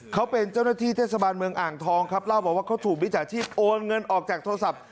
เขาเป็นเจ้าหน้าที่เทศบาลเมืองอ่างทองครับเล่าบอกว่าเขาถูกมิจฉาชีพโอนเงินออกจากโทรศัพท์